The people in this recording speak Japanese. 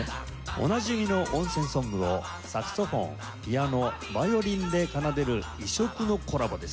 おなじみの温泉ソングをサクソフォンピアノヴァイオリンで奏でる異色のコラボです。